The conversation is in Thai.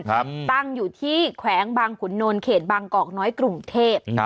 ตั้งอยู่ที่แขวงบางขุนนลเขตบางกอกน้อยกรุงเทพ